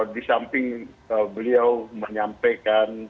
di samping beliau menyampaikan